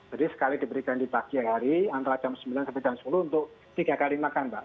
jadi sekali diberikan di pagi hari antara jam sembilan sampai jam sepuluh untuk tiga kali makan pak